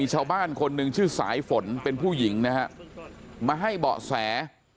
ชาวบ้านคนหนึ่งชื่อสายฝนเป็นผู้หญิงนะฮะมาให้เบาะแส